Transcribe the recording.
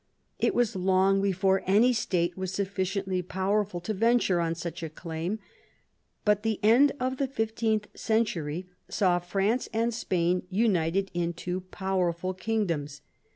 It was long before any state was sufficiently powerful to venture on such a claim ; but the end of the fifteenth century saw France and Spain united into powerful kingdoms.